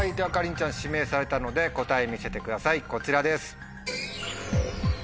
ちゃん指名されたので答え見せてくださいこちらです。